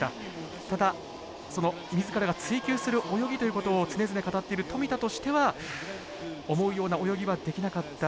ただ自らが追求する泳ぎということを常々語っている富田としては思うような泳ぎはできなかった。